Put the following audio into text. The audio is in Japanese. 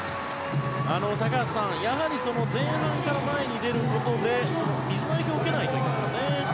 高橋さん、やはり前半から前に出ることで水の影響を受けないといいますか。